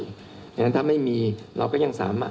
เพราะฉะนั้นถ้าไม่มีเราก็ยังสามารถ